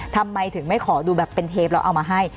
ทำไมถึงไม่ขอดูแบบเป็นเทปแล้วเอามาให้